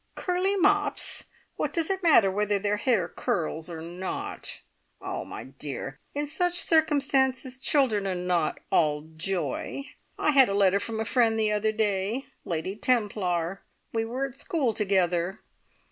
"Curly mops! What does it matter whether their hair curls or not? Ah, my dear, in such circumstances children are not all joy. I had a letter from a friend the other day Lady Templar. We were at school together.